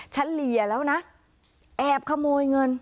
เฉลี่ยแล้วนะแอบขโมยเงิน